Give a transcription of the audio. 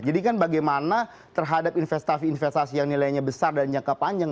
jadi kan bagaimana terhadap investasi investasi yang nilainya besar dan jangka panjang